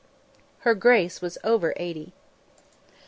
Her Grace was over eighty.